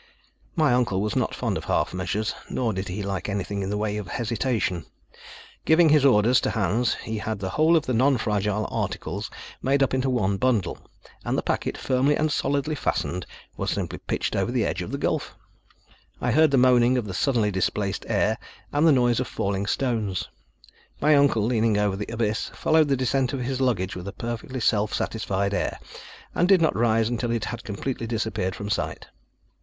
My uncle was not fond of half measures, nor did he like anything in the way of hesitation. Giving his orders to Hans he had the whole of the nonfragile articles made up into one bundle; and the packet, firmly and solidly fastened, was simply pitched over the edge of the gulf. I heard the moaning of the suddenly displaced air, and the noise of falling stones. My uncle leaning over the abyss followed the descent of his luggage with a perfectly self satisfied air, and did not rise until it had completely disappeared from sight.